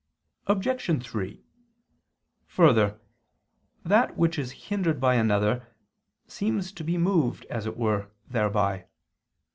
Obj. 3: Further, that which is hindered by another, seems to be moved, as it were, thereby.